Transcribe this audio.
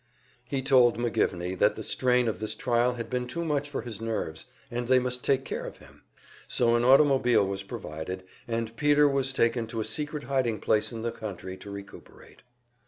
He told McGivney that the strain of this trial had been too much for his nerves, and they must take care of him; so an automobile was provided, and Peter was taken to a secret hiding place in the country to recuperate.